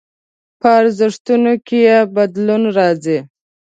په ارزښتونو کې يې بدلون راځي.